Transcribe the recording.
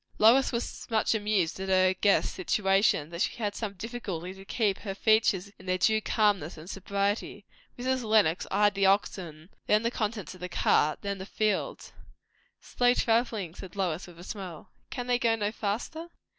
Lois was so much amused at her guests' situation, that she had some difficulty to keep her features in their due calmness and sobriety. Mrs. Lenox eyed the oxen, then the contents of the cart, then the fields. "Slow travelling!" said Lois, with a smile. "Can they go no faster?"